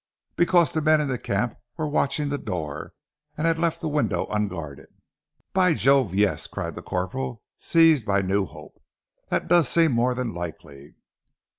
Because the men in the camp were watching the door, and had left the window unguarded." "By Jove, yes," cried the corporal, seized by new hope. "That does seem more than likely."